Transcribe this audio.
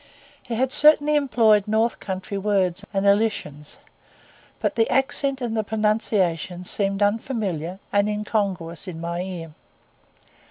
He had certainly employed north country words and elisions; but the accent and the pronunciation seemed unfamiliar and incongruous in my ear.